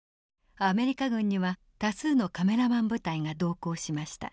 アメリカ軍には多数のカメラマン部隊が同行しました。